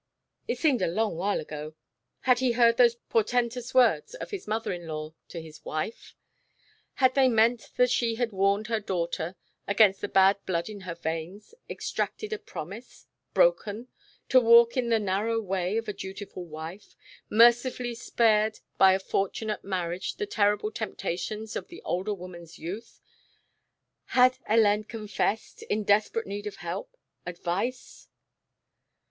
it seemed a long while ago had he heard those portentous words of his mother in law to his wife? had they meant that she had warned her daughter against the bad blood in her veins, extracted a promise broken! to walk in the narrow way of the dutiful wife mercifully spared by a fortunate marriage the terrible temptations of the older woman's youth? Had Hélène confessed ... in desperate need of help, advice?